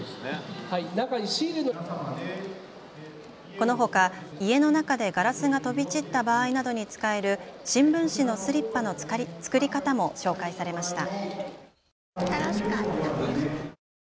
このほか家の中でガラスが飛び散った場合などに使える新聞紙のスリッパの作り方も紹介されました。